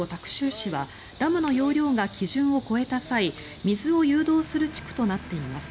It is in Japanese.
市はダムの容量が基準を超えた際水を誘導する地区となっています。